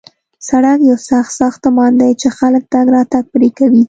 سړک یو سخت ساختمان دی چې خلک تګ راتګ پرې کوي